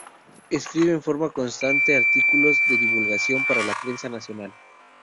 Escribe en forma constante artículos de divulgación para la prensa nacional.